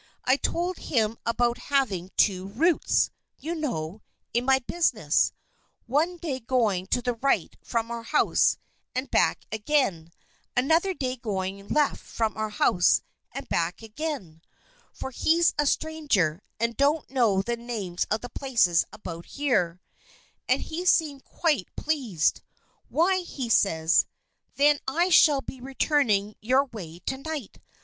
I told him about having two routes, you know, in my business; one day going to the right from our house and back again, another day going left from our house and back again (for he's a stranger, and don't know the names of the places about here); and he seemed quite pleased. 'Why,' he says, 'then I shall be returning your way to night.